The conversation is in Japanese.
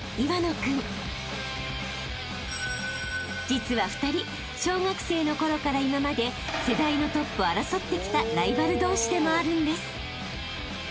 ［実は２人小学生のころから今まで世代のトップを争ってきたライバル同士でもあるんです］